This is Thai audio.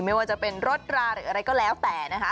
ไม่ว่าจะเป็นรถราหรืออะไรก็แล้วแต่นะคะ